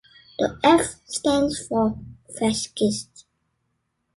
The "F" stands for "fascist".